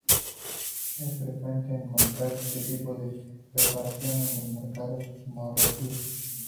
Es frecuente encontrar este tipo de preparación en los mercados marroquíes.